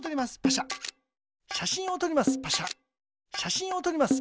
しゃしんをとります。